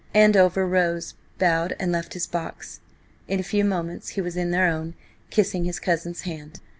Andover rose, bowed, and left his box. In a few moments he was in their own, kissing his cousin's hand.